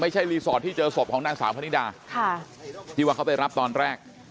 รีสอร์ทที่เจอศพของนางสาวพนิดาที่ว่าเขาไปรับตอนแรก